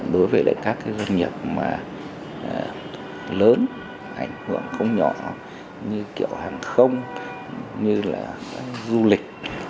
đối với các doanh nghiệp mà lớn ảnh hưởng không nhỏ như kiểu hàng không như là du lịch